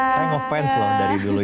saya ngefans loh dari dulu